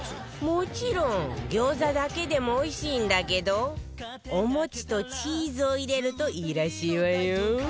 もちろん餃子だけでもおいしいんだけどお餅とチーズを入れるといいらしいわよ